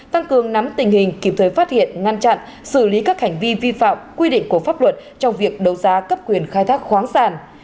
tăng cường nắm tình hình kịp thời phát hiện ngăn chặn xử lý các hành vi vi phạm quy định của pháp luật trong việc đấu giá cấp quyền khai thác khoáng sản